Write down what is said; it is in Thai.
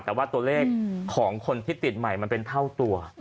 แต่ว่าตัวเลขของคนที่ติดใหม่มันเป็นเท่าตัว